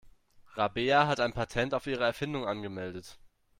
Rabea hat ein Patent auf ihre Erfindung angemeldet.